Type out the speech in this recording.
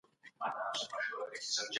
بچي یې په پوهنتون کې درس وايي.